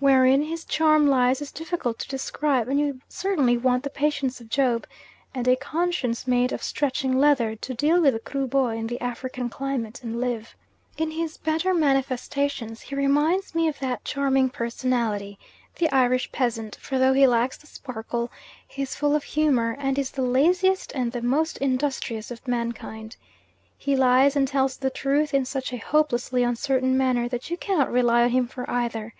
Wherein his charm lies is difficult to describe, and you certainly want the patience of Job, and a conscience made of stretching leather to deal with the Kruboy in the African climate, and live. In his better manifestations he reminds me of that charming personality, the Irish peasant, for though he lacks the sparkle, he is full of humour, and is the laziest and the most industrious of mankind. He lies and tells the truth in such a hopelessly uncertain manner that you cannot rely on him for either.